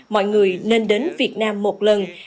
mọi người nên đến việt nam một lần